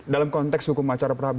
dalam konteks hukum acara